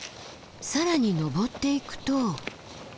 更に登っていくと。